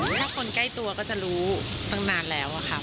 ถ้าคนใกล้ตัวก็จะรู้ตั้งนานแล้วค่ะ